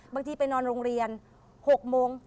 บางทีไปนอนโรงเรียน๖โมง